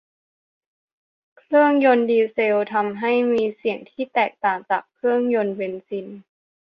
เครื่องยนต์ดีเซลทำให้มีเสียงที่แตกต่างจากเครื่องยนต์เบนซิน